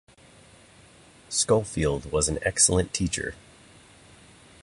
Scholefield was an excellent teacher.